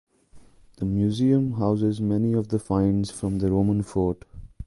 The museum houses many of the finds from the Roman fort.